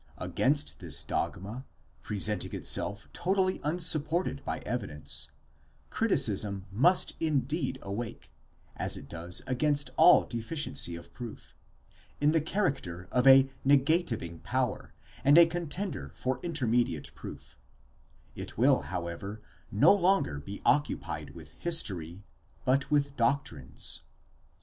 Against this dogma, presenting itself totally unsupported by evidence, criticism must in deed awake, as it does against all deficiency of proof, in the character of a negativing power, and a contender for intermediate proof: it will, however, no longer be occupied with history, but with doctrines.